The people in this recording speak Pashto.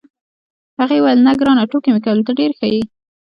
هغې وویل: نه، ګرانه، ټوکې مې کولې، ته ډېر ښه یې.